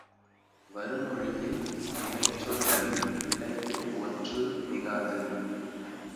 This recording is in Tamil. வருமொழியில் வினைச் சொல் வரின் இடையே ஒற்று மிகாது.